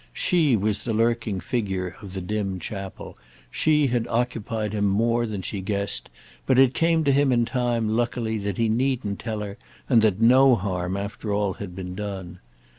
She was the lurking figure of the dim chapel; she had occupied him more than she guessed; but it came to him in time, luckily, that he needn't tell her and that no harm, after all, had been done.